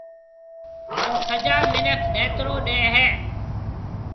ھان سجا مِنک نيترو ڏَي ھيََََ